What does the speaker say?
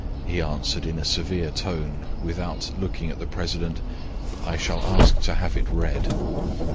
he answered in a severe tone, without looking at the president, "I shall ask to have it read."